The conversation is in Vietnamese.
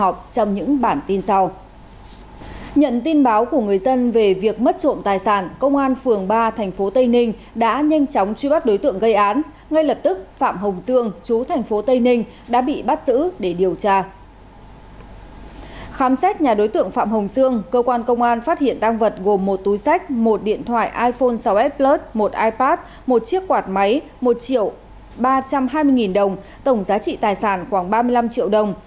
khám sách nhà đối tượng phạm hồng dương cơ quan công an phát hiện tăng vật gồm một túi sách một điện thoại iphone sáu s plus một ipad một chiếc quạt máy một triệu ba trăm hai mươi đồng tổng giá trị tài sản khoảng ba mươi năm triệu đồng